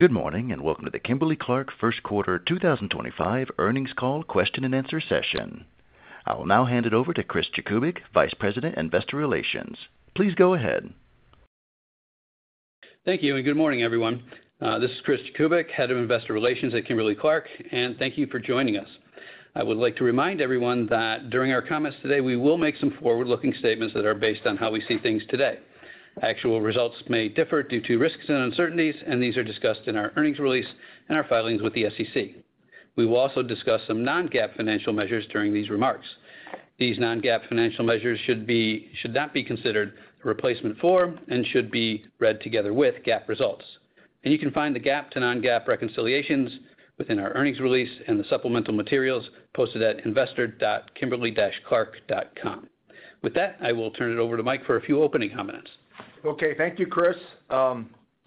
Good morning and welcome to the Kimberly-Clark First Quarter 2025 earnings call question and answer session. I will now hand it over to Chris Jakubik, Vice President, Investor Relations. Please go ahead. Thank you and good morning, everyone. This is Chris Jakubik, Head of Investor Relations at Kimberly-Clark, and thank you for joining us. I would like to remind everyone that during our comments today, we will make some forward-looking statements that are based on how we see things today. Actual results may differ due to risks and uncertainties, and these are discussed in our earnings release and our filings with the SEC. We will also discuss some non-GAAP financial measures during these remarks. These non-GAAP financial measures should not be considered a replacement for and should be read together with GAAP results. You can find the GAAP to non-GAAP reconciliations within our earnings release and the supplemental materials posted at investor.kimberly-clark.com. With that, I will turn it over to Mike for a few opening comments. Okay, thank you, Chris.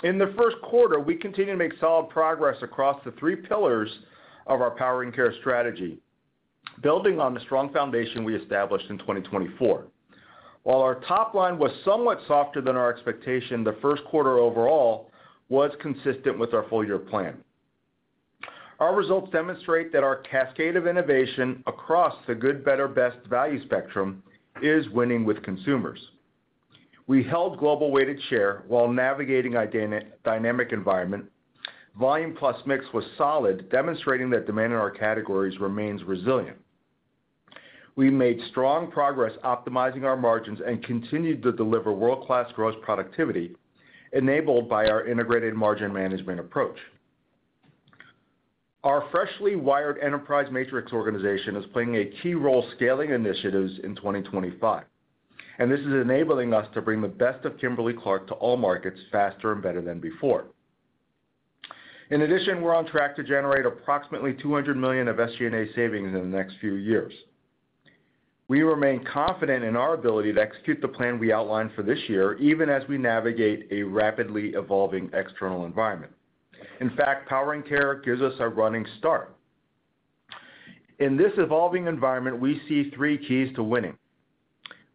In the first quarter, we continue to make solid progress across the three pillars of our Powering Care strategy, building on the strong foundation we established in 2024. While our top line was somewhat softer than our expectation, the first quarter overall was consistent with our full-year plan. Our results demonstrate that our cascade of innovation across the Good, Better, Best value spectrum is winning with consumers. We held global weighted share while navigating a dynamic environment. Volume plus mix was solid, demonstrating that demand in our categories remains resilient. We made strong progress optimizing our margins and continued to deliver world-class gross productivity enabled by our Integrated Margin Management approach. Our freshly wired enterprise matrix organization is playing a key role scaling initiatives in 2025, and this is enabling us to bring the best of Kimberly-Clark to all markets faster and better than before. In addition, we're on track to generate approximately $200 million of SG&A savings in the next few years. We remain confident in our ability to execute the plan we outlined for this year, even as we navigate a rapidly evolving external environment. In fact, Powering Care gives us a running start. In this evolving environment, we see three keys to winning.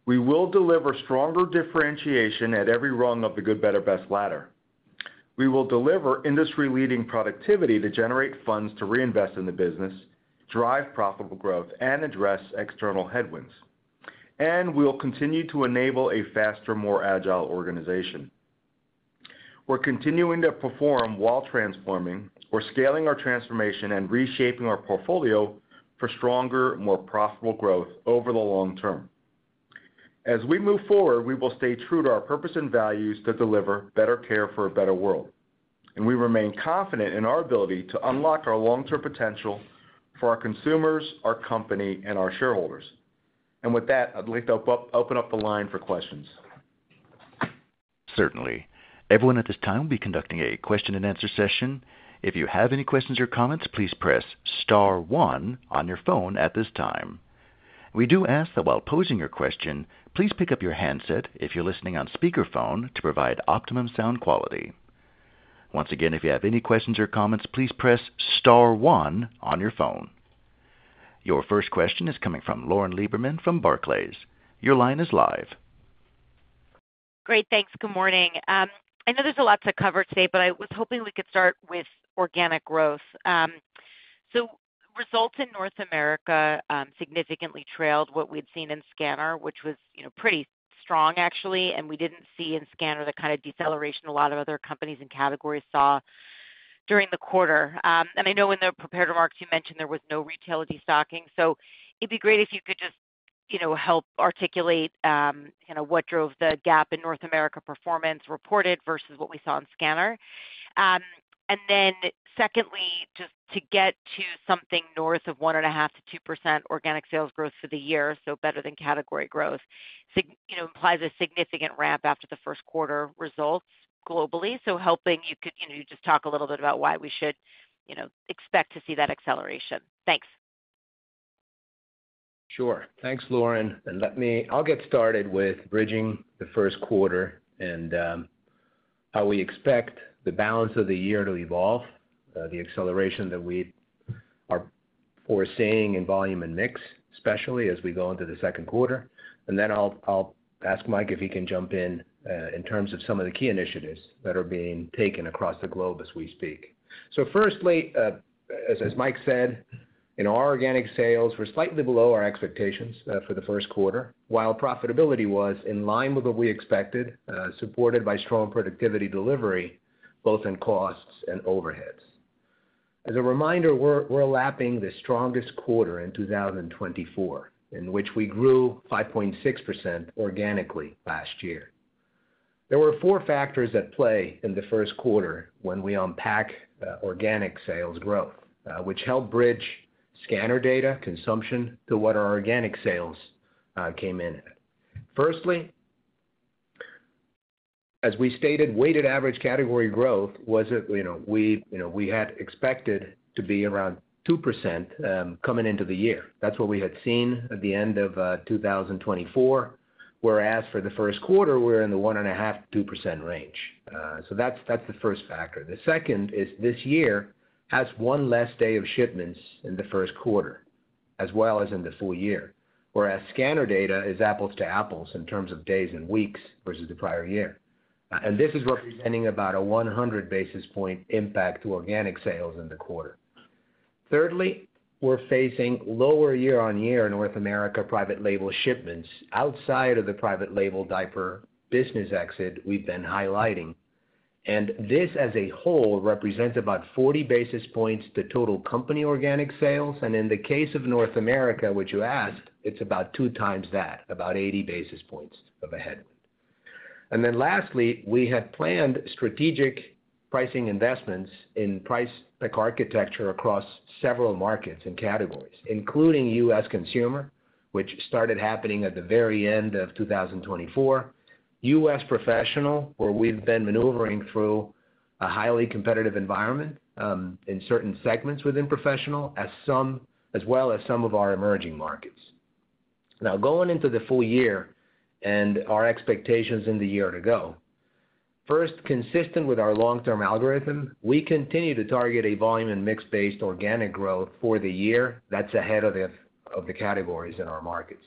We will deliver stronger differentiation at every rung of the Good, Better, Best ladder. We will deliver industry-leading productivity to generate funds to reinvest in the business, drive profitable growth, and address external headwinds. We will continue to enable a faster, more agile organization. We're continuing to perform while transforming. We're scaling our transformation and reshaping our portfolio for stronger, more profitable growth over the long term. As we move forward, we will stay true to our purpose and values to deliver better care for a better world. We remain confident in our ability to unlock our long-term potential for our consumers, our company, and our shareholders. With that, I'd like to open up the line for questions. Certainly. Everyone at this time will be conducting a question and answer session. If you have any questions or comments, please press star one on your phone at this time. We do ask that while posing your question, please pick up your handset if you're listening on speakerphone to provide optimum sound quality. Once again, if you have any questions or comments, please press star one on your phone. Your first question is coming from Lauren Lieberman from Barclays. Your line is live. Great, thanks. Good morning. I know there's a lot to cover today, but I was hoping we could start with organic growth. Results in North America significantly trailed what we'd seen in scanner, which was pretty strong, actually. We didn't see in scanner the kind of deceleration a lot of other companies and categories saw during the quarter. I know in the prepared remarks you mentioned there was no retail destocking. It would be great if you could just help articulate what drove the gap in North America performance reported versus what we saw in scanner. Secondly, just to get to something north of 1.5%-2% organic sales growth for the year, so better than category growth, implies a significant ramp after the first quarter results globally. Helping you just talk a little bit about why we should expect to see that acceleration. Thanks. Sure. Thanks, Lauren. I'll get started with bridging the first quarter and how we expect the balance of the year to evolve, the acceleration that we are foreseeing in volume and mix, especially as we go into the second quarter. I'll ask Mike if he can jump in in terms of some of the key initiatives that are being taken across the globe as we speak. Firstly, as Mike said, in our organic sales, we're slightly below our expectations for the first quarter, while profitability was in line with what we expected, supported by strong productivity delivery, both in costs and overheads. As a reminder, we're lapping the strongest quarter in 2024, in which we grew 5.6% organically last year. There were four factors at play in the first quarter when we unpack organic sales growth, which helped bridge scanner data consumption to what our organic sales came in at. Firstly, as we stated, weighted average category growth was we had expected to be around 2% coming into the year. That's what we had seen at the end of 2024. Whereas for the first quarter, we're in the 1.5%-2% range. That's the first factor. The second is this year has one less day of shipments in the first quarter, as well as in the full year. Whereas scanner data is apples to apples in terms of days and weeks versus the prior year. This is representing about a 100 basis point impact to organic sales in the quarter. Thirdly, we are facing lower year-on-year in North America private label shipments outside of the private label diaper business exit we have been highlighting. This as a whole represents about 40 basis points to total company organic sales. In the case of North America, which you asked, it is about 2x that, about 80 basis points of a headwind. Lastly, we have planned strategic pricing investments in price pack architecture across several markets and categories, including U.S. Consumer, which started happening at the very end of 2024, U.S. Professional, where we have been maneuvering through a highly competitive environment in certain segments within Professional, as well as some of our emerging markets. Now, going into the full year and our expectations in the year to go, first, consistent with our long-term algorithm, we continue to target a volume and mix-based organic growth for the year that's ahead of the categories in our markets.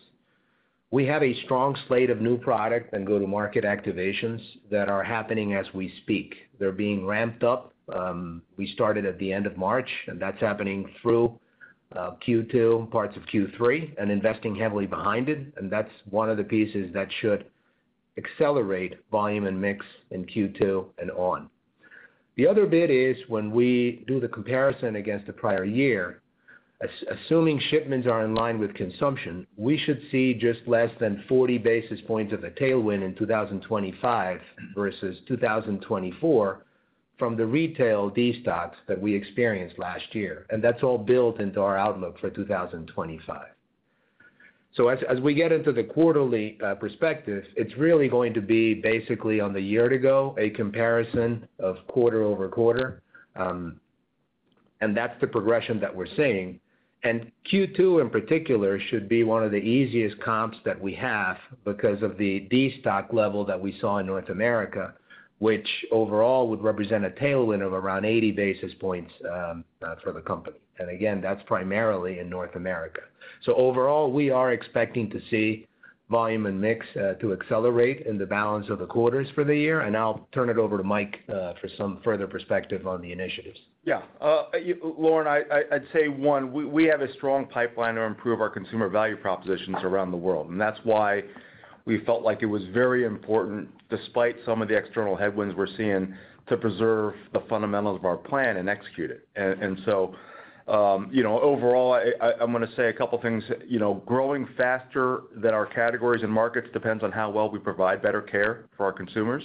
We have a strong slate of new product and go-to-market activations that are happening as we speak. They're being ramped up. We started at the end of March, and that's happening through Q2, parts of Q3, and investing heavily behind it. That is one of the pieces that should accelerate volume and mix in Q2 and on. The other bit is when we do the comparison against the prior year, assuming shipments are in line with consumption, we should see just less than 40 basis points of a tailwind in 2025 versus 2024 from the retail destocks that we experienced last year. That is all built into our outlook for 2025. As we get into the quarterly perspective, it is really going to be basically on the year to go, a comparison of quarter-over-quarter. That is the progression that we are seeing. Q2 in particular should be one of the easiest comps that we have because of the destock level that we saw in North America, which overall would represent a tailwind of around 80 basis points for the company. Again, that is primarily in North America. Overall, we are expecting to see volume and mix to accelerate in the balance of the quarters for the year. I will turn it over to Mike for some further perspective on the initiatives. Yeah. Lauren, I'd say one, we have a strong pipeline to improve our consumer value propositions around the world. That is why we felt like it was very important, despite some of the external headwinds we're seeing, to preserve the fundamentals of our plan and execute it. Overall, I'm going to say a couple of things. Growing faster than our categories and markets depends on how well we provide better care for our consumers.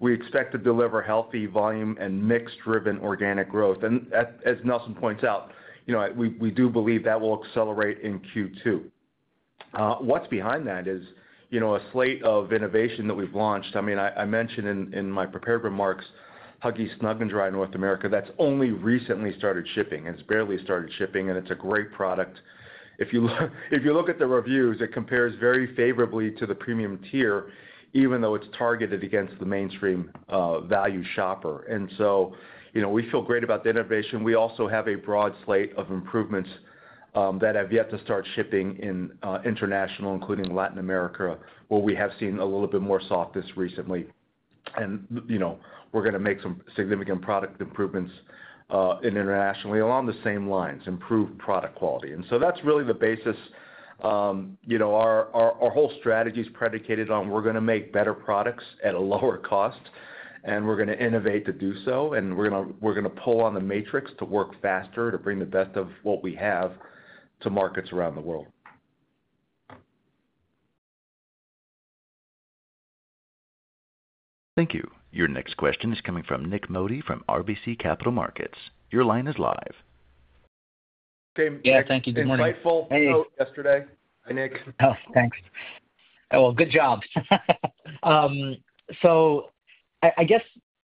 We expect to deliver healthy volume and mix-driven organic growth. As Nelson points out, we do believe that will accelerate in Q2. What's behind that is a slate of innovation that we've launched. I mean, I mentioned in my prepared remarks, Huggies Snug & Dry North America, that's only recently started shipping and has barely started shipping, and it's a great product. If you look at the reviews, it compares very favorably to the premium tier, even though it's targeted against the mainstream value shopper. We feel great about the innovation. We also have a broad slate of improvements that have yet to start shipping in international, including Latin America, where we have seen a little bit more softness recently. We are going to make some significant product improvements internationally along the same lines, improve product quality. That is really the basis. Our whole strategy is predicated on we're going to make better products at a lower cost, and we're going to innovate to do so. We are going to pull on the matrix to work faster, to bring the best of what we have to markets around the world. Thank you. Your next question is coming from Nik Modi from RBC Capital Markets. Your line is live. Hey, thank you. Good morning. Insightful help yesterday, Nik. Thanks. Good job. I guess,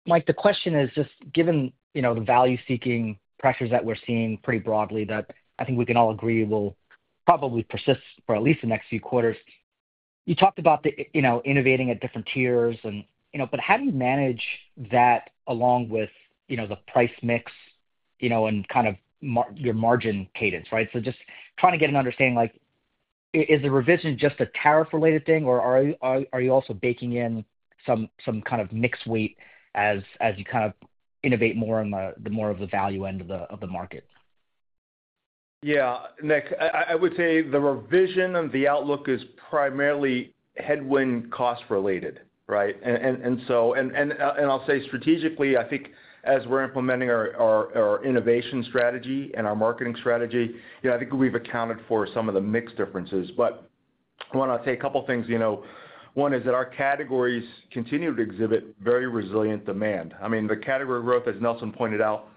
Mike, the question is just given the value-seeking pressures that we're seeing pretty broadly, that I think we can all agree will probably persist for at least the next few quarters. You talked about innovating at different tiers, but how do you manage that along with the price mix and kind of your margin cadence, right? Just trying to get an understanding, is the revision just a tariff-related thing, or are you also baking in some kind of mixed weight as you kind of innovate more on the more of the value end of the market? Yeah, Nik, I would say the revision and the outlook is primarily headwind cost-related, right? I'll say strategically, I think as we're implementing our innovation strategy and our marketing strategy, I think we've accounted for some of the mixed differences. I want to say a couple of things. One is that our categories continue to exhibit very resilient demand. I mean, the category growth, as Nelson pointed out,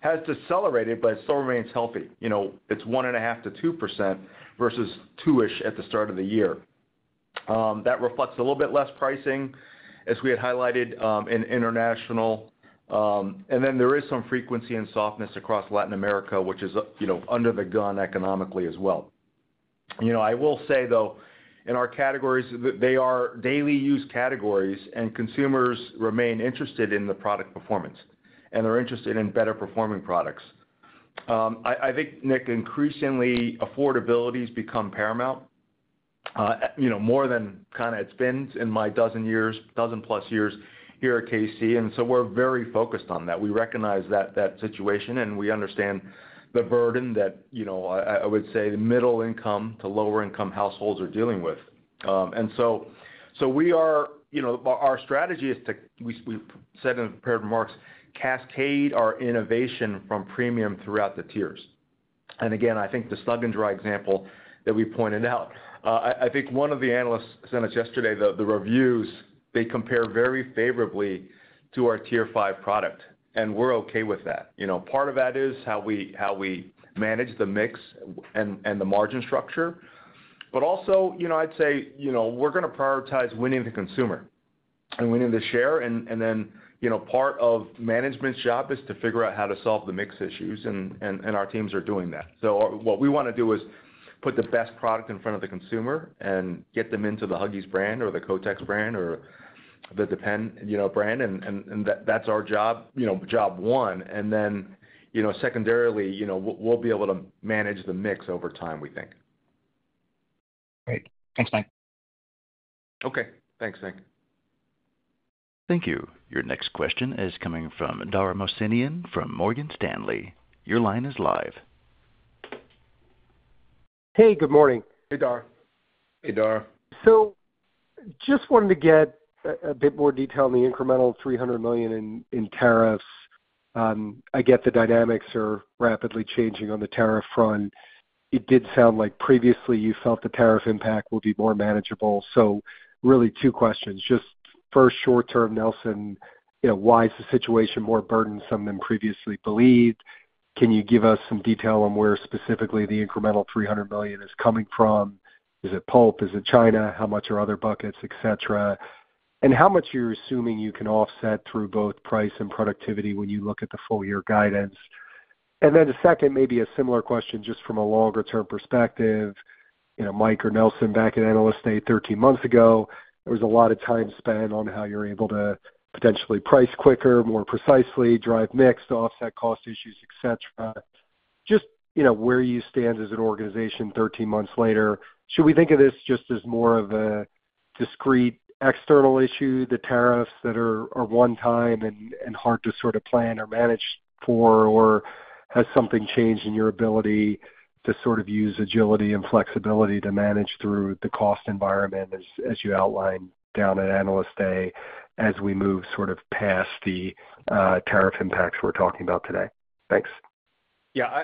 has decelerated, but it still remains healthy. It's 1.5%-2% versus 2%-ish at the start of the year. That reflects a little bit less pricing, as we had highlighted in international. There is some frequency and softness across Latin America, which is under the gun economically as well. I will say, though, in our categories, they are daily-use categories, and consumers remain interested in the product performance, and they're interested in better-performing products. I think, Nik, increasingly affordability has become paramount, more than kind of it's been in my 12 years, 12+ years here at K-C. We are very focused on that. We recognize that situation, and we understand the burden that I would say the middle-income to lower-income households are dealing with. Our strategy is to, we said in the prepared remarks, cascade our innovation from premium throughout the tiers. I think the Snug & Dry example that we pointed out, I think one of the analysts sent us yesterday, the reviews, they compare very favorably to our Tier 5 product. We are okay with that. Part of that is how we manage the mix and the margin structure. Also, I'd say we are going to prioritize winning the consumer and winning the share. Part of management's job is to figure out how to solve the mix issues. Our teams are doing that. What we want to do is put the best product in front of the consumer and get them into the Huggies brand or the Kotex brand or the Depend brand. That is our job, job one. Secondarily, we will be able to manage the mix over time, we think. Great. Thanks, Mike. Okay. Thanks, Nik. Thank you. Your next question is coming from Dara Mohsenian from Morgan Stanley. Your line is live. Hey, good morning. Hey, Dar. Hey, Dar. I just wanted to get a bit more detail on the incremental $300 million in tariffs. I get the dynamics are rapidly changing on the tariff front. It did sound like previously you felt the tariff impact will be more manageable. Really, two questions. First, short-term, Nelson, why is the situation more burdensome than previously believed? Can you give us some detail on where specifically the incremental $300 million is coming from? Is it pulp? Is it China? How much are other buckets, etc.? How much are you assuming you can offset through both price and productivity when you look at the full-year guidance? Second, maybe a similar question just from a longer-term perspective. Mike or Nelson, back at Analyst Day 13 months ago, there was a lot of time spent on how you're able to potentially price quicker, more precisely, drive mix to offset cost issues, etc. Just where you stand as an organization 13 months later. Should we think of this just as more of a discrete external issue, the tariffs that are one-time and hard to sort of plan or manage for, or has something changed in your ability to sort of use agility and flexibility to manage through the cost environment as you outlined down at Analyst Day as we move sort of past the tariff impacts we're talking about today? Thanks. Yeah.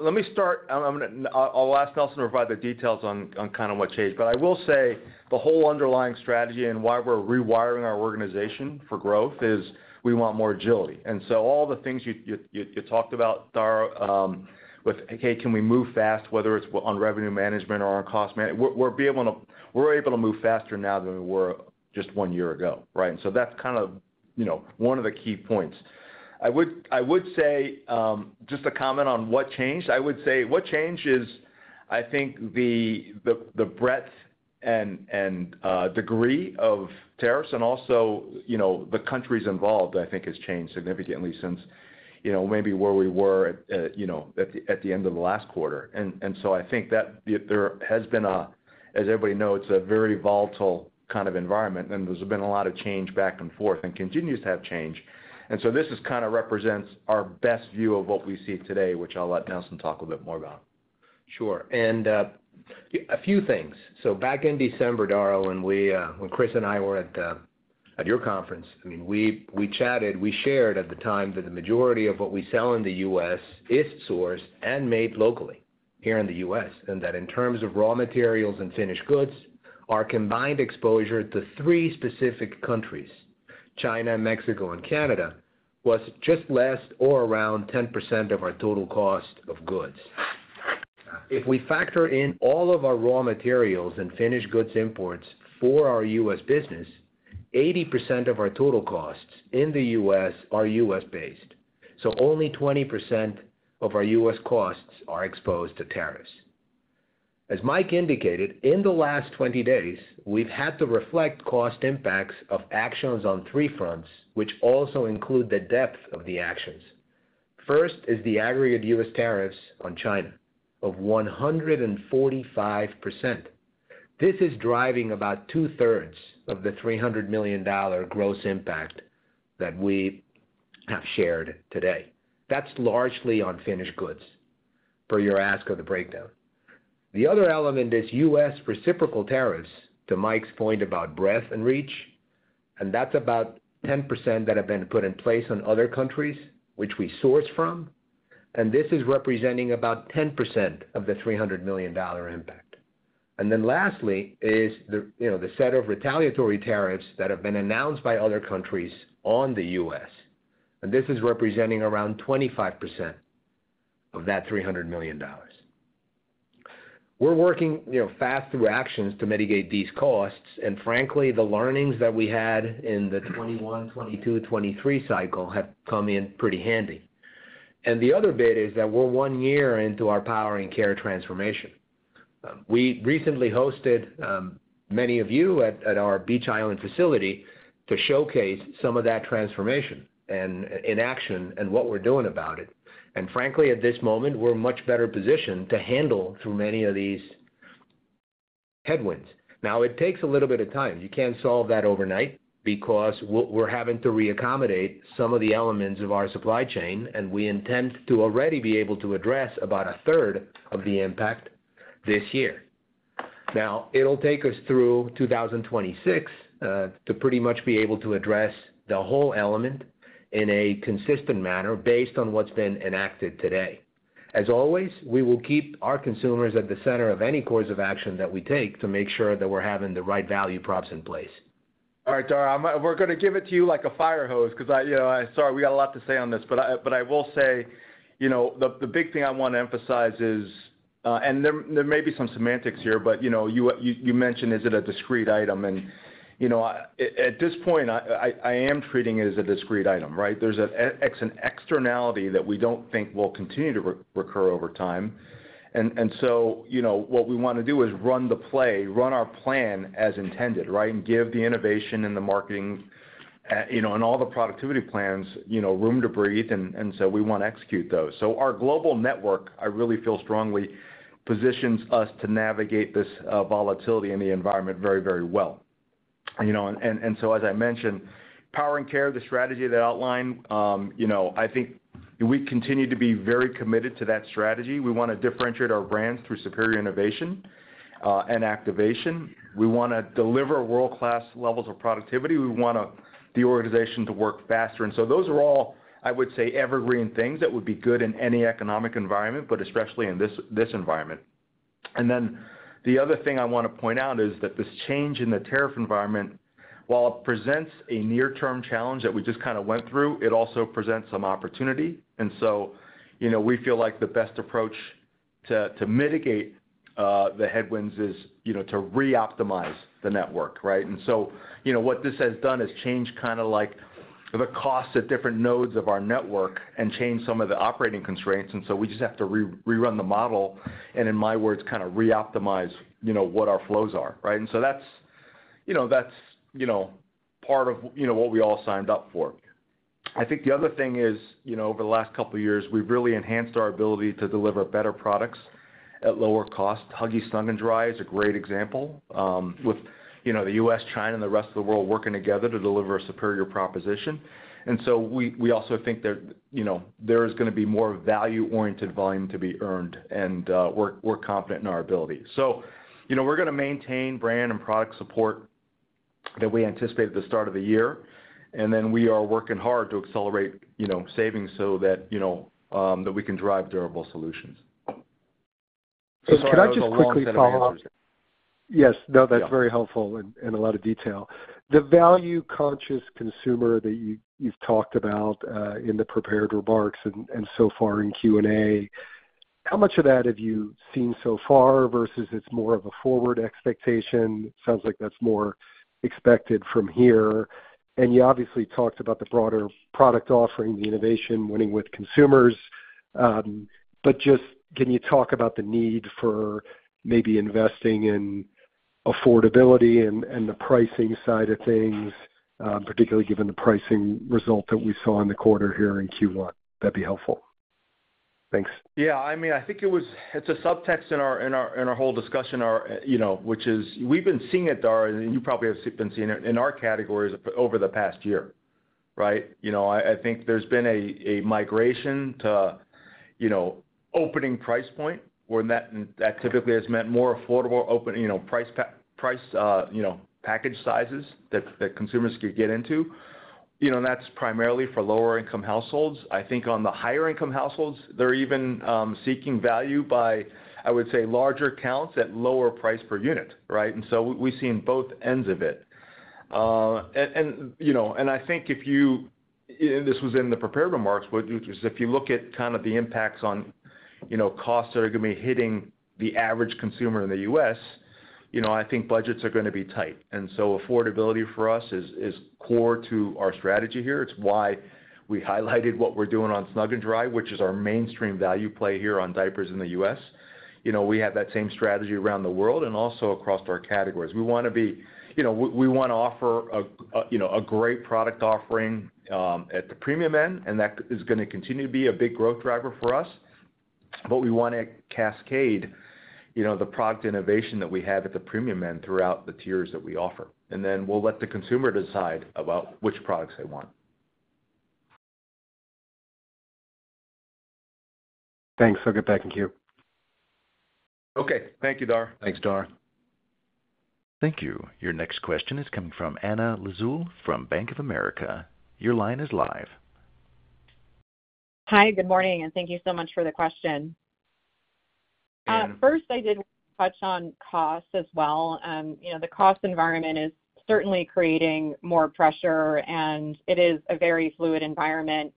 Let me start. I'll ask Nelson to provide the details on kind of what changed. I will say the whole underlying strategy and why we're rewiring our organization for growth is we want more agility. All the things you talked about, Dara, with, "Hey, can we move fast, whether it's on revenue management or on cost management?" We're able to move faster now than we were just one year ago, right? That's kind of one of the key points. I would say just a comment on what changed. I would say what changed is, I think, the breadth and degree of tariffs and also the countries involved, I think, has changed significantly since maybe where we were at the end of the last quarter. I think that there has been, as everybody knows, a very volatile kind of environment. There has been a lot of change back and forth and continues to have change. This kind of represents our best view of what we see today, which I'll let Nelson talk a little bit more about. Sure. A few things. Back in December, Dara, when Chris and I were at your conference, I mean, we chatted, we shared at the time that the majority of what we sell in the U.S. is sourced and made locally here in the U.S., and that in terms of raw materials and finished goods, our combined exposure to three specific countries, China, Mexico, and Canada, was just less or around 10% of our total cost of goods. If we factor in all of our raw materials and finished goods imports for our U.S. business, 80% of our total costs in the U.S. are U.S.-based. Only 20% of our U.S. costs are exposed to tariffs. As Mike indicated, in the last 20 days, we've had to reflect cost impacts of actions on three fronts, which also include the depth of the actions. First is the aggregate U.S. tariffs on China of 145%. This is driving about 2/3 of the $300 million gross impact that we have shared today. That is largely on finished goods, per your ask of the breakdown. The other element is U.S. reciprocal tariffs to Mike's point about breadth and reach, and that is about 10% that have been put in place on other countries, which we source from. This is representing about 10% of the $300 million impact. Lastly is the set of retaliatory tariffs that have been announced by other countries on the U.S. This is representing around 25% of that $300 million. We are working fast through actions to mitigate these costs. Frankly, the learnings that we had in the 2021, 2022, 2023 cycle have come in pretty handy. The other bit is that we are one year into our Powering Care transformation. We recently hosted many of you at our Beech Island facility to showcase some of that transformation in action and what we're doing about it. Frankly, at this moment, we're much better positioned to handle through many of these headwinds. Now, it takes a little bit of time. You can't solve that overnight because we're having to reaccommodate some of the elements of our supply chain, and we intend to already be able to address about 1/3 of the impact this year. It will take us through 2026 to pretty much be able to address the whole element in a consistent manner based on what's been enacted today. As always, we will keep our consumers at the center of any course of action that we take to make sure that we're having the right value props in place. All right, Dar. We're going to give it to you like a fire hose because I'm sorry, we got a lot to say on this. I will say the big thing I want to emphasize is, and there may be some semantics here, but you mentioned, "Is it a discrete item?" At this point, I am treating it as a discrete item, right? There's an externality that we don't think will continue to recur over time. What we want to do is run the play, run our plan as intended, right, and give the innovation and the marketing and all the productivity plans room to breathe. We want to execute those. Our global network, I really feel strongly, positions us to navigate this volatility in the environment very, very well. As I mentioned, Powering Care, the strategy that I outlined, I think we continue to be very committed to that strategy. We want to differentiate our brands through superior innovation and activation. We want to deliver world-class levels of productivity. We want the organization to work faster. Those are all, I would say, evergreen things that would be good in any economic environment, but especially in this environment. The other thing I want to point out is that this change in the tariff environment, while it presents a near-term challenge that we just kind of went through, it also presents some opportunity. We feel like the best approach to mitigate the headwinds is to reoptimize the network, right? What this has done is change kind of like the costs at different nodes of our network and change some of the operating constraints. We just have to rerun the model and, in my words, kind of reoptimize what our flows are, right? That is part of what we all signed up for. I think the other thing is, over the last couple of years, we have really enhanced our ability to deliver better products at lower cost. Huggies Snug & Dry is a great example with the U.S., China, and the rest of the world working together to deliver a superior proposition. We also think there is going to be more value-oriented volume to be earned, and we are confident in our ability. We are going to maintain brand and product support that we anticipate at the start of the year. We are working hard to accelerate savings so that we can drive durable solutions. Can I just quickly follow up? Yes. No, that's very helpful in a lot of detail. The value-conscious consumer that you've talked about in the prepared remarks and so far in Q&A, how much of that have you seen so far versus it's more of a forward expectation? It sounds like that's more expected from here. You obviously talked about the broader product offering, the innovation, winning with consumers. Just can you talk about the need for maybe investing in affordability and the pricing side of things, particularly given the pricing result that we saw in the quarter here in Q1? That'd be helpful. Thanks. Yeah. I mean, I think it's a subtext in our whole discussion, which is we've been seeing it, Dar, and you probably have been seeing it in our categories over the past year, right? I think there's been a migration to opening price point where that typically has meant more affordable price package sizes that consumers could get into. That's primarily for lower-income households. I think on the higher-income households, they're even seeking value by, I would say, larger counts at lower price per unit, right? We have seen both ends of it. I think if you—this was in the prepared remarks—if you look at kind of the impacts on costs that are going to be hitting the average consumer in the U.S., I think budgets are going to be tight. Affordability for us is core to our strategy here. It's why we highlighted what we're doing on Snug & Dry, which is our mainstream value play here on diapers in the U.S. We have that same strategy around the world and also across our categories. We want to be—we want to offer a great product offering at the premium end, and that is going to continue to be a big growth driver for us. We want to cascade the product innovation that we have at the premium end throughout the tiers that we offer. We will let the consumer decide about which products they want. Thanks. I'll get back in queue. Okay. Thank you, Dar. Thanks, Dar. Thank you. Your next question is coming from Anna Lizzul from Bank of America. Your line is live. Hi, good morning, and thank you so much for the question. First, I did want to touch on costs as well. The cost environment is certainly creating more pressure, and it is a very fluid environment.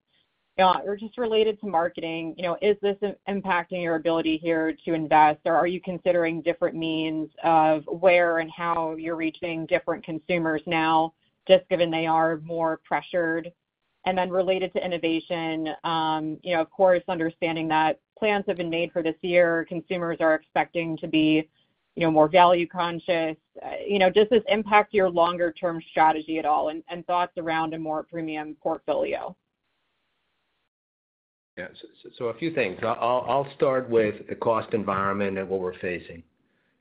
Just related to marketing, is this impacting your ability here to invest, or are you considering different means of where and how you're reaching different consumers now, just given they are more pressured? Related to innovation, of course, understanding that plans have been made for this year, consumers are expecting to be more value-conscious. Does this impact your longer-term strategy at all and thoughts around a more premium portfolio? Yeah. A few things. I'll start with the cost environment and what we're facing.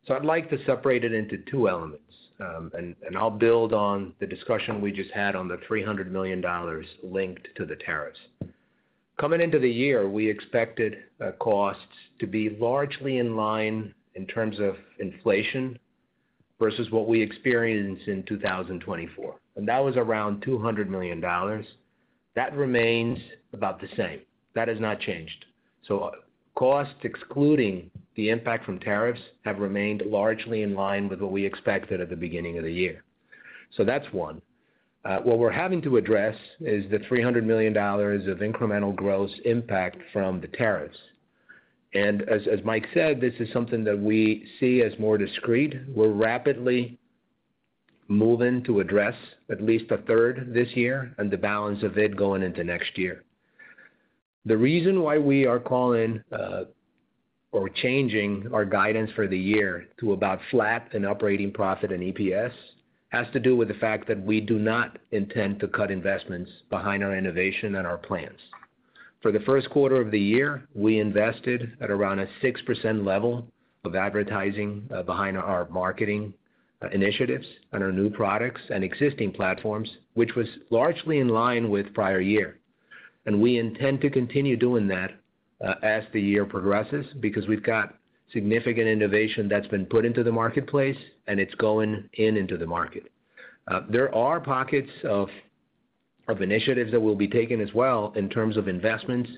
I'd like to separate it into two elements, and I'll build on the discussion we just had on the $300 million linked to the tariffs. Coming into the year, we expected costs to be largely in line in terms of inflation versus what we experienced in 2024. That was around $200 million. That remains about the same. That has not changed. Costs, excluding the impact from tariffs, have remained largely in line with what we expected at the beginning of the year. That's one. What we're having to address is the $300 million of incremental gross impact from the tariffs. As Mike said, this is something that we see as more discreet. We're rapidly moving to address at least a third this year and the balance of it going into next year. The reason why we are calling or changing our guidance for the year to about flat in operating profit and EPS has to do with the fact that we do not intend to cut investments behind our innovation and our plans. For the first quarter of the year, we invested at around a 6% level of advertising behind our marketing initiatives and our new products and existing platforms, which was largely in line with prior year. We intend to continue doing that as the year progresses because we've got significant innovation that's been put into the marketplace, and it's going into the market. There are pockets of initiatives that will be taken as well in terms of investments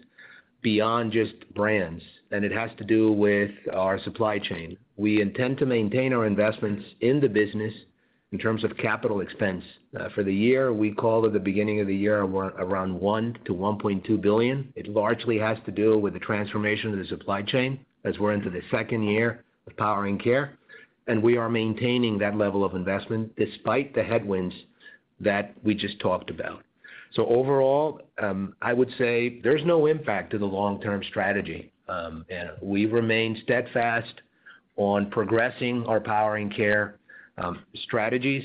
beyond just brands, and it has to do with our supply chain. We intend to maintain our investments in the business in terms of capital expense. For the year, we call at the beginning of the year around $1 billion-$1.2 billion. It largely has to do with the transformation of the supply chain as we're into the second year of Powering Care. We are maintaining that level of investment despite the headwinds that we just talked about. Overall, I would say there's no impact to the long-term strategy. We remain steadfast on progressing our Powering Care strategies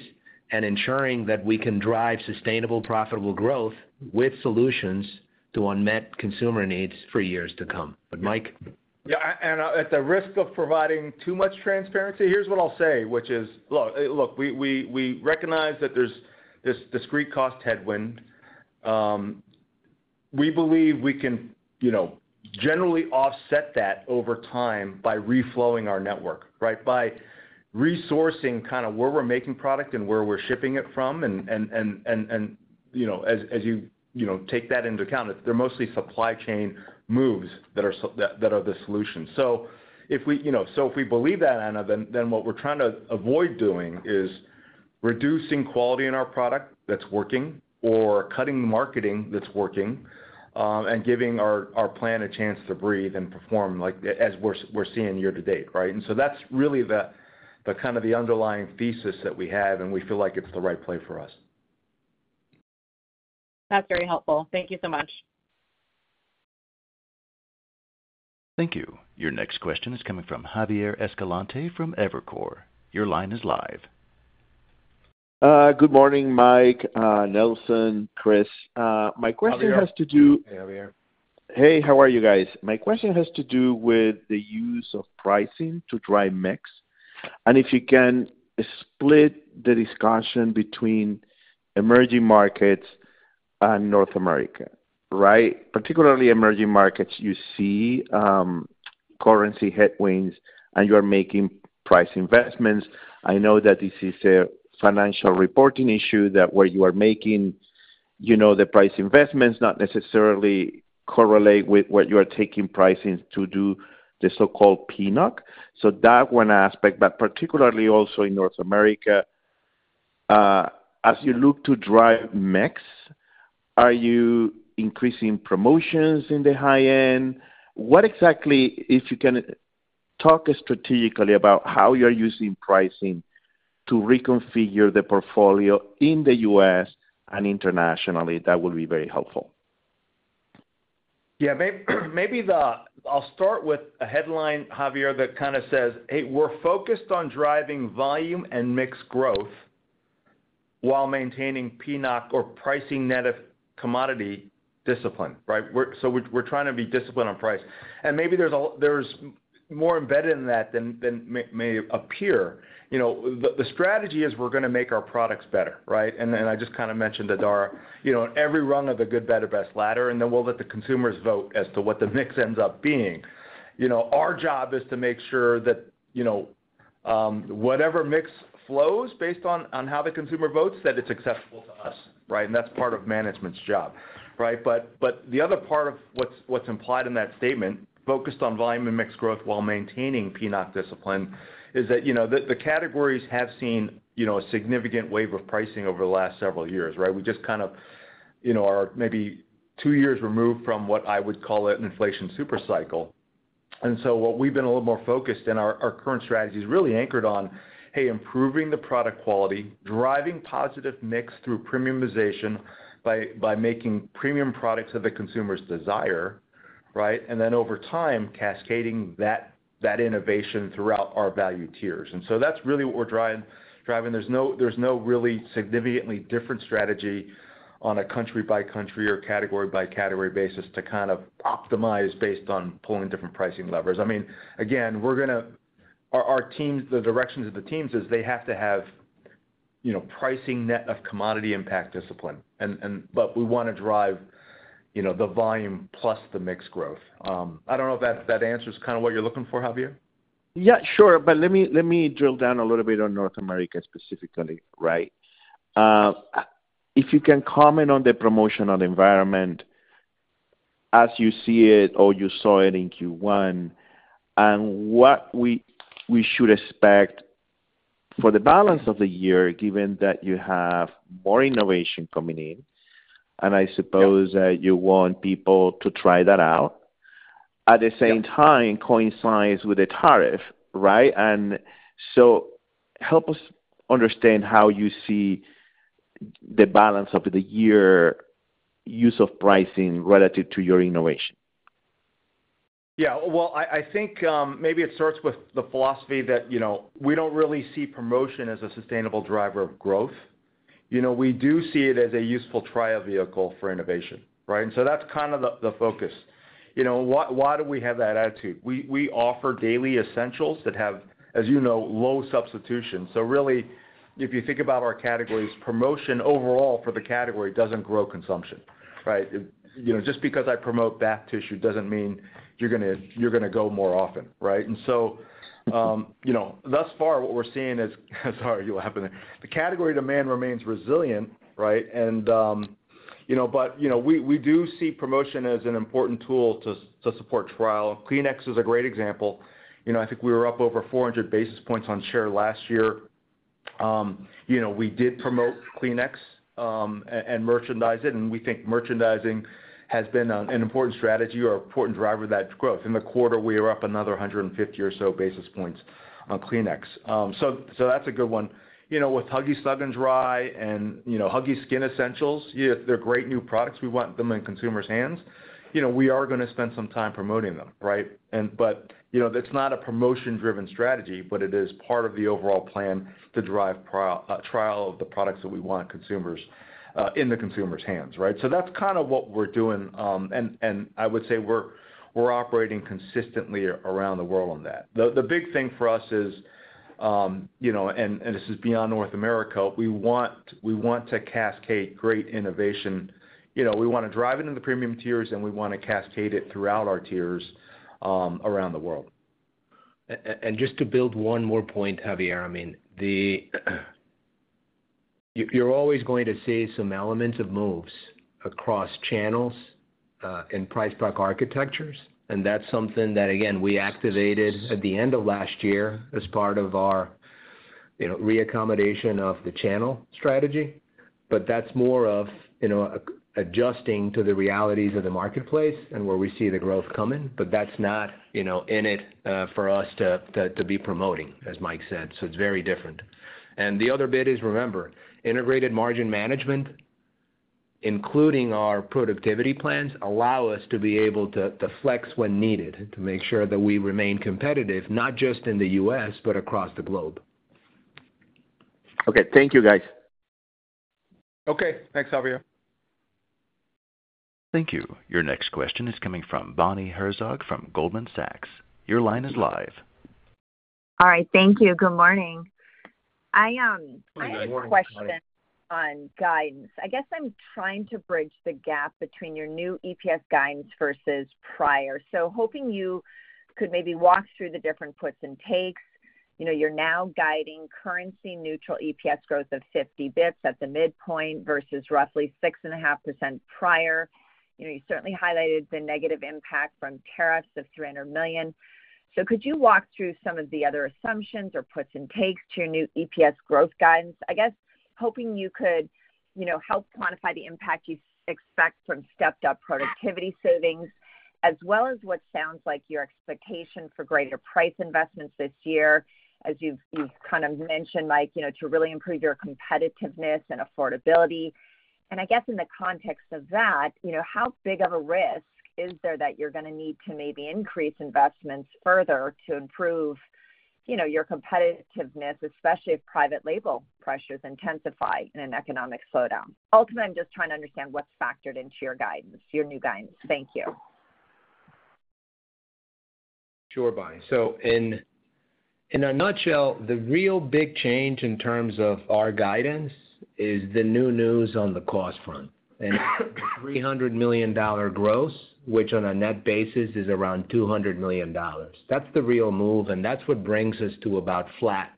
and ensuring that we can drive sustainable, profitable growth with solutions to unmet consumer needs for years to come. But Mike. Yeah. At the risk of providing too much transparency, here's what I'll say, which is, look, we recognize that there's this discrete cost headwind. We believe we can generally offset that over time by reflowing our network, right, by resourcing kind of where we're making product and where we're shipping it from. As you take that into account, they're mostly supply chain moves that are the solution. If we believe that, Anna, then what we're trying to avoid doing is reducing quality in our product that's working or cutting the marketing that's working and giving our plan a chance to breathe and perform as we're seeing year to date, right? That's really kind of the underlying thesis that we have, and we feel like it's the right play for us. That's very helpful. Thank you so much. Thank you. Your next question is coming from Javier Escalante from Evercore. Your line is live. Good morning, Mike, Nelson, Chris. My question has to do. How are you? Hey, how are you guys? My question has to do with the use of pricing to drive mix. And if you can split the discussion between emerging markets and North America, right? Particularly emerging markets, you see currency headwinds, and you are making price investments. I know that this is a financial reporting issue that where you are making the price investments not necessarily correlate with what you are taking pricing to do the so-called PNOC. So that one aspect, but particularly also in North America, as you look to drive mix, are you increasing promotions in the high end? What exactly, if you can talk strategically about how you are using pricing to reconfigure the portfolio in the US and internationally, that would be very helpful. Yeah. Maybe I'll start with a headline, Javier, that kind of says, "Hey, we're focused on driving volume and mixed growth while maintaining PNOC or pricing net of commodity discipline," right? We're trying to be disciplined on price. Maybe there's more embedded in that than may appear. The strategy is we're going to make our products better, right? I just kind of mentioned to Dar, every rung of the Good, Better, Best ladder, and then we'll let the consumers vote as to what the mix ends up being. Our job is to make sure that whatever mix flows based on how the consumer votes, that it's acceptable to us, right? That's part of management's job, right? The other part of what's implied in that statement, focused on volume and mixed growth while maintaining PNOC discipline, is that the categories have seen a significant wave of pricing over the last several years, right? We just kind of are maybe two years removed from what I would call an inflation supercycle. What we've been a little more focused in our current strategy is really anchored on, hey, improving the product quality, driving positive mix through premiumization by making premium products of the consumer's desire, right? Over time, cascading that innovation throughout our value tiers. That's really what we're driving. There's no really significantly different strategy on a country-by-country or category-by-category basis to kind of optimize based on pulling different pricing levers. I mean, again, our teams, the directions of the teams is they have to have pricing net of commodity impact discipline. We want to drive the volume plus the mixed growth. I do not know if that answers kind of what you're looking for, Javier. Yeah, sure. Let me drill down a little bit on North America specifically, right? If you can comment on the promotional environment as you see it or you saw it in Q1 and what we should expect for the balance of the year, given that you have more innovation coming in, and I suppose that you want people to try that out. At the same time, coincides with the tariff, right? Help us understand how you see the balance of the year use of pricing relative to your innovation. Yeah. I think maybe it starts with the philosophy that we do not really see promotion as a sustainable driver of growth. We do see it as a useful trial vehicle for innovation, right? That is kind of the focus. Why do we have that attitude? We offer daily essentials that have, as you know, low substitution. If you think about our categories, promotion overall for the category does not grow consumption, right? Just because I promote bath tissue does not mean you are going to go more often, right? Thus far, what we are seeing is—sorry, you will have a minute. The category demand remains resilient, right? We do see promotion as an important tool to support trial. Kleenex is a great example. I think we were up over 400 basis points on share last year. We did promote Kleenex and merchandise it, and we think merchandising has been an important strategy or important driver of that growth. In the quarter, we were up another 150 or so basis points on Kleenex. That is a good one. With Huggies Snug & Dry and Huggies Skin Essentials, they are great new products. We want them in consumers' hands. We are going to spend some time promoting them, right? It is not a promotion-driven strategy, but it is part of the overall plan to drive trial of the products that we want in the consumers' hands, right? That is kind of what we are doing. I would say we are operating consistently around the world on that. The big thing for us is—this is beyond North America—we want to cascade great innovation. We want to drive it in the premium tiers, and we want to cascade it throughout our tiers around the world. Just to build one more point, Javier, I mean, you're always going to see some elements of moves across channels and price-pack architectures. That's something that, again, we activated at the end of last year as part of our reaccommodation of the channel strategy. That's more of adjusting to the realities of the marketplace and where we see the growth coming. That's not in it for us to be promoting, as Mike said. It is very different. The other bit is, remember, Integrated Margin Management, including our productivity plans, allow us to be able to flex when needed to make sure that we remain competitive, not just in the U.S., but across the globe. Okay. Thank you, guys. Okay. Thanks, Javier. Thank you. Your next question is coming from Bonnie Herzog from Goldman Sachs. Your line is live. All right. Thank you. Good morning. Good morning, Bonnie. I have a question on guidance. I guess I'm trying to bridge the gap between your new EPS guidance versus prior. I was hoping you could maybe walk through the different puts and takes. You're now guiding currency-neutral EPS growth of 50 basis points at the midpoint versus roughly 6.5% prior. You certainly highlighted the negative impact from tariffs of $300 million. Could you walk through some of the other assumptions or puts and takes to your new EPS growth guidance? I guess hoping you could help quantify the impact you expect from stepped-up productivity savings, as well as what sounds like your expectation for greater price investments this year, as you've kind of mentioned, Mike, to really improve your competitiveness and affordability. I guess in the context of that, how big of a risk is there that you're going to need to maybe increase investments further to improve your competitiveness, especially if private label pressures intensify in an economic slowdown? Ultimately, I'm just trying to understand what's factored into your new guidance. Thank you. Sure, Bonnie. In a nutshell, the real big change in terms of our guidance is the new news on the cost front. It is a $300 million gross, which on a net basis is around $200 million. That is the real move, and that is what brings us to about flat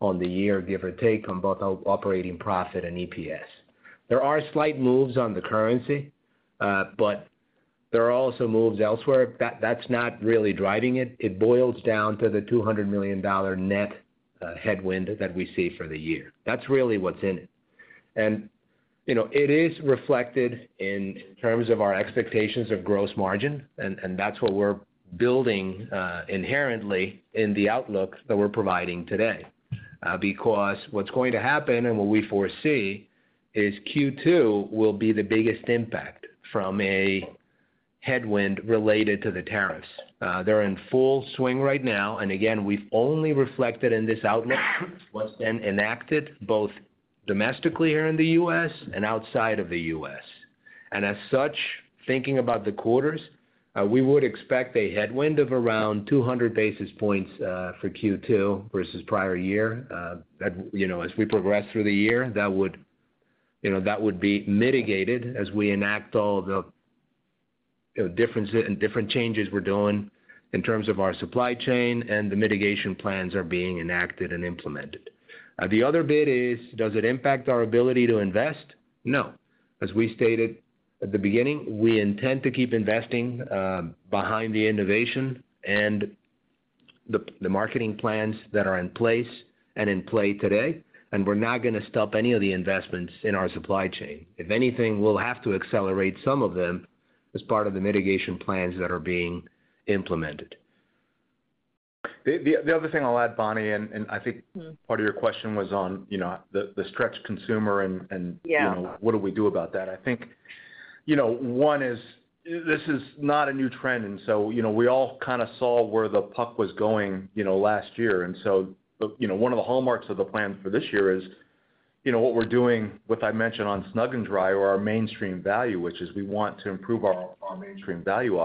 on the year, give or take, on both operating profit and EPS. There are slight moves on the currency, but there are also moves elsewhere. That is not really driving it. It boils down to the $200 million net headwind that we see for the year. That is really what is in it. It is reflected in terms of our expectations of gross margin, and that is what we are building inherently in the outlook that we are providing today. Because what is going to happen and what we foresee is Q2 will be the biggest impact from a headwind related to the tariffs. They're in full swing right now. Again, we've only reflected in this outlook what's been enacted both domestically here in the U.S. and outside of the U.S. As such, thinking about the quarters, we would expect a headwind of around 200 basis points for Q2 versus prior year. As we progress through the year, that would be mitigated as we enact all the different changes we're doing in terms of our supply chain and the mitigation plans are being enacted and implemented. The other bit is, does it impact our ability to invest? No. As we stated at the beginning, we intend to keep investing behind the innovation and the marketing plans that are in place and in play today. We're not going to stop any of the investments in our supply chain. If anything, we'll have to accelerate some of them as part of the mitigation plans that are being implemented. The other thing I'll add, Bonnie, and I think part of your question was on the stretched consumer and what do we do about that? I think one is this is not a new trend, and you know, we all kind of saw where the puck was going last year. One of the hallmarks of the plan for this year is what we're doing with, I mentioned, on Snug & Dry or our mainstream value, which is we want to improve our mainstream value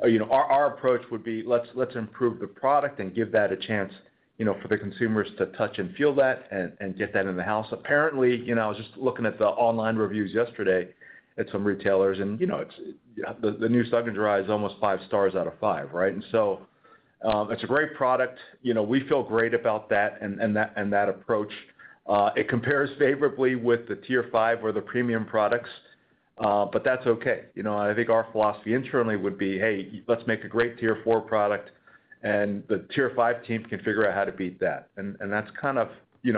offering. Our approach would be, let's improve the product and give that a chance for the consumers to touch and feel that and get that in the house. Apparently, I was just looking at the online reviews yesterday at some retailers, and the new Snug & Dry is almost five stars out of five, right? It's a great product. We feel great about that and that approach. It compares favorably with the Tier five or the premium products, but that's okay. I think our philosophy internally would be, hey, let's make a great Tier 4 product, and the Tier 5 team can figure out how to beat that. That's kind of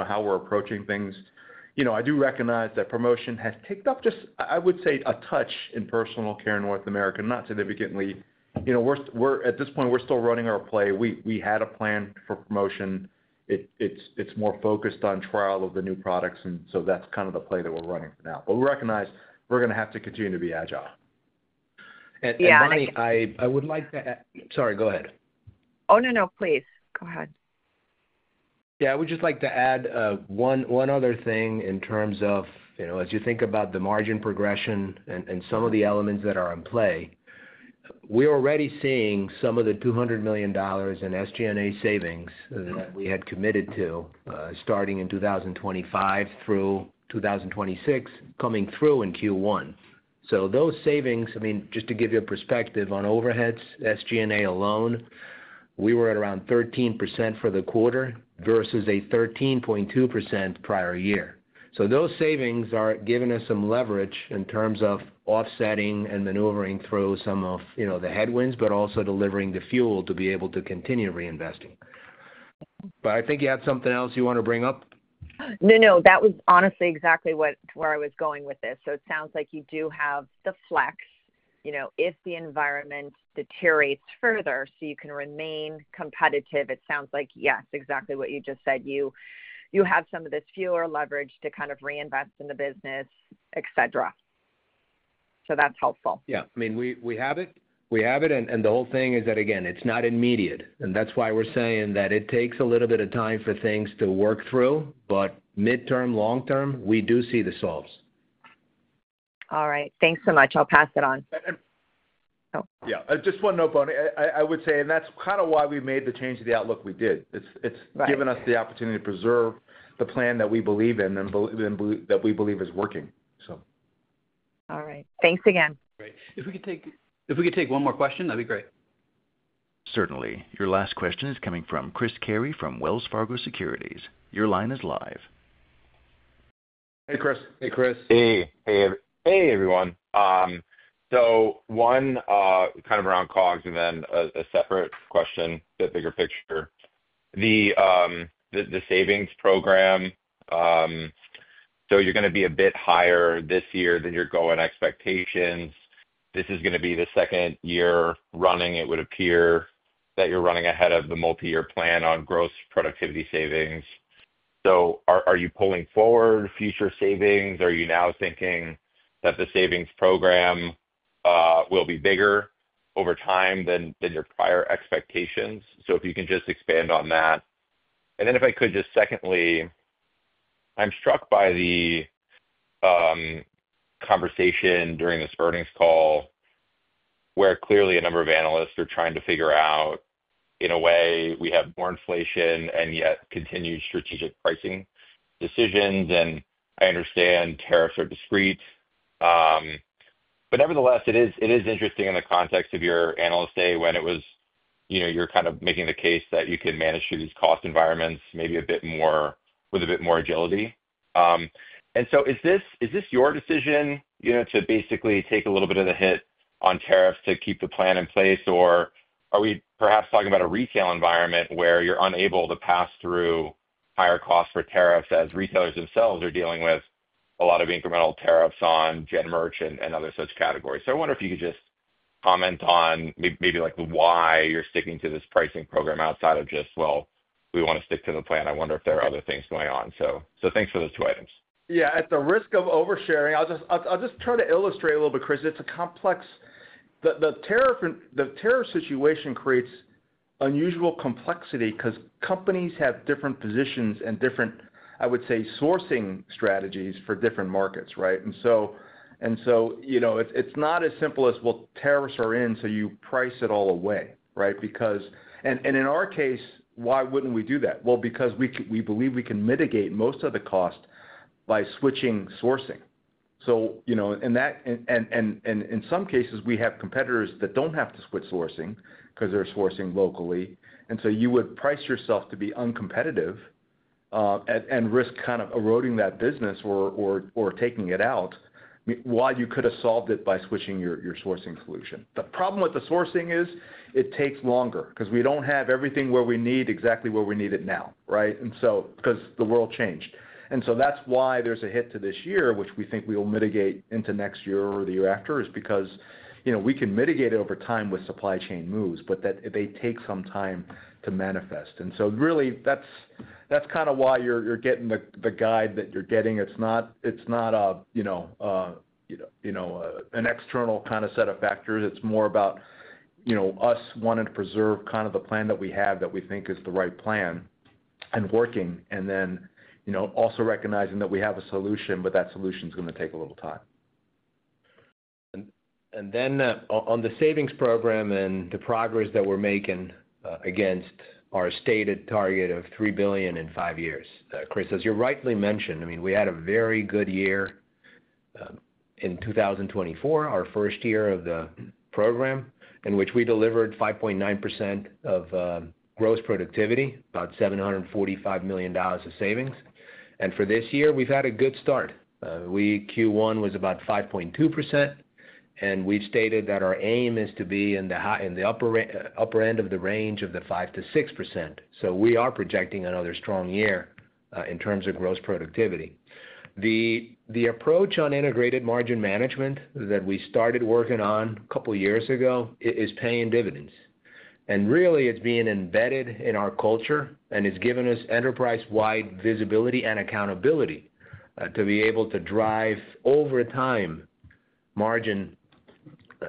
how we're approaching things. I do recognize that promotion has ticked up just, I would say, a touch in personal care in North America, not significantly. At this point, we're still running our play. We had a plan for promotion. It's more focused on trial of the new products, and that's kind of the play that we're running for now. We recognize we're going to have to continue to be agile. Bonnie, I would like to—sorry, go ahead. Oh, no, no, please. Go ahead. Yeah. I would just like to add one other thing in terms of, as you think about the margin progression and some of the elements that are in play, we're already seeing some of the $200 million in SG&A savings that we had committed to starting in 2025-2026 coming through in Q1. Those savings, I mean, just to give you a perspective on overheads, SG&A alone, we were at around 13% for the quarter versus a 13.2% prior year. Those savings are giving us some leverage in terms of offsetting and maneuvering through some of the headwinds, but also delivering the fuel to be able to continue reinvesting. I think you had something else you want to bring up. No, no. That was honestly exactly where I was going with this. It sounds like you do have the flex if the environment deteriorates further so you can remain competitive. It sounds like, yes, exactly what you just said. You have some of this fewer leverage to kind of reinvest in the business, etc. That is helpful. Yeah. I mean, we have it. We have it. The whole thing is that, again, it's not immediate. That's why we're saying that it takes a little bit of time for things to work through. Midterm, long-term, we do see the solves. All right. Thanks so much. I'll pass it on. Yeah. Just one note, Bonnie. I would say, and that's kind of why we made the change to the outlook we did. It's given us the opportunity to preserve the plan that we believe in and that we believe is working, so. All right. Thanks again. Great. If we could take one more question, that'd be great. Certainly. Your last question is coming from Chris Carey from Wells Fargo Securities. Your line is live. Hey, Chris. Hey, Chris. Hey. Hey, everyone. One kind of around cogs and then a separate question, the bigger picture. The savings program, you are going to be a bit higher this year than your goal and expectations. This is going to be the second year running. It would appear that you are running ahead of the multi-year plan on gross productivity savings. Are you pulling forward future savings? Are you now thinking that the savings program will be bigger over time than your prior expectations? If you can just expand on that. If I could, just secondly, I am struck by the conversation during this earnings call where clearly a number of analysts are trying to figure out, in a way, we have more inflation and yet continued strategic pricing decisions. I understand tariffs are discreet. Nevertheless, it is interesting in the context of your analyst day when it was you're kind of making the case that you can manage through these cost environments maybe with a bit more agility. Is this your decision to basically take a little bit of the hit on tariffs to keep the plan in place, or are we perhaps talking about a retail environment where you're unable to pass through higher costs for tariffs as retailers themselves are dealing with a lot of incremental tariffs on gen merch and other such categories? I wonder if you could just comment on maybe why you're sticking to this pricing program outside of just, "Well, we want to stick to the plan." I wonder if there are other things going on. Thanks for those two items. Yeah. At the risk of oversharing, I'll just try to illustrate a little bit, Chris. It's a complex situation. The tariff situation creates unusual complexity because companies have different positions and different, I would say, sourcing strategies for different markets, right? It's not as simple as, "Well, tariffs are in, so you price it all away," right? In our case, why wouldn't we do that? I mean, we believe we can mitigate most of the cost by switching sourcing. In some cases, we have competitors that don't have to switch sourcing because they're sourcing locally. You would price yourself to be uncompetitive and risk kind of eroding that business or taking it out while you could have solved it by switching your sourcing solution. The problem with the sourcing is it takes longer because we do not have everything where we need exactly where we need it now, right? Because the world changed. That is why there is a hit to this year, which we think we will mitigate into next year or the year after, is because we can mitigate it over time with supply chain moves, but they take some time to manifest. Really, that is kind of why you are getting the guide that you are getting. It is not an external kind of set of factors. It is more about us wanting to preserve kind of the plan that we have that we think is the right plan and working, and then also recognizing that we have a solution, but that solution is going to take a little time. On the savings program and the progress that we are making against our stated target of $3 billion in five years, Chris, as you rightly mentioned, I mean, we had a very good year in 2024, our first year of the program, in which we delivered 5.9% of gross productivity, about $745 million of savings. For this year, we have had a good start. Q1 was about 5.2%, and we have stated that our aim is to be in the upper end of the range of the 5-6%. We are projecting another strong year in terms of gross productivity. The approach on Integrated Margin Management that we started working on a couple of years ago is paying dividends. It is really being embedded in our culture and has given us enterprise-wide visibility and accountability to be able to drive over time margin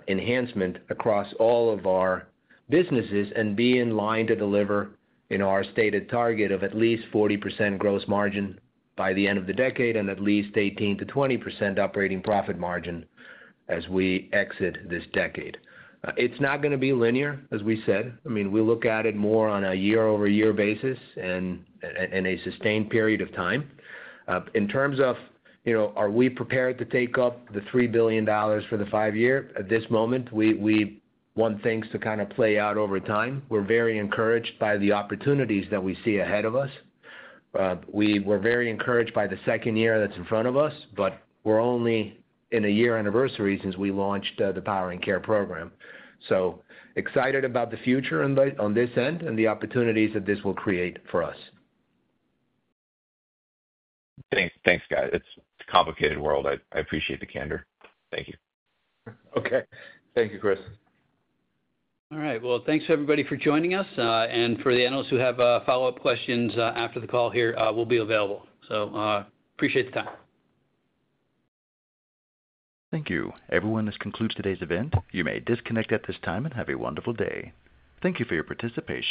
enhancement across all of our businesses and be in line to deliver in our stated target of at least 40% gross margin by the end of the decade and at least 18-20% operating profit margin as we exit this decade. It is not going to be linear, as we said. I mean, we look at it more on a year-over-year basis and in a sustained period of time. In terms of, are we prepared to take up the $3 billion for the five-year? At this moment, we want things to kind of play out over time. We are very encouraged by the opportunities that we see ahead of us. We were very encouraged by the second year that's in front of us, but we're only in a year anniversary since we launched the Powering Care program. Excited about the future on this end and the opportunities that this will create for us. Thanks, guys. It's a complicated world. I appreciate the candor. Thank you. Okay. Thank you, Chris. All right. Thanks to everybody for joining us. For the analysts who have follow-up questions after the call here, we'll be available. Appreciate the time. Thank you. Everyone, this concludes today's event. You may disconnect at this time and have a wonderful day. Thank you for your participation.